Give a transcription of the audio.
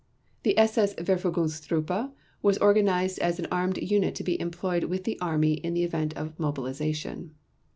The SS Verfügungstruppe was organized as an armed unit to be employed with the Army in the event of mobilization.